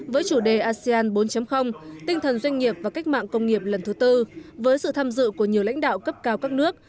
với chủ đề asean bốn tinh thần doanh nghiệp và cách mạng công nghiệp lần thứ tư với sự tham dự của nhiều lãnh đạo cấp cao các nước